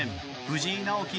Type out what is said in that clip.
藤井直樹